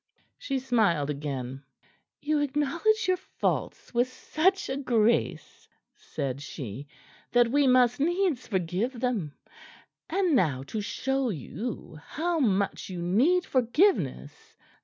She smiled again. "You acknowledge your faults with such a grace," said she, "that we must needs forgive them. And now to show you how much you need forgiveness.